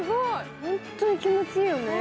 ホントに気持ちいいよね。